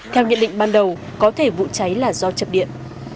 theo nhận định ban đầu có thể vụ cháy là do chập điện